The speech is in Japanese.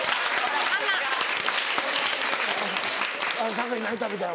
酒井何食べたい？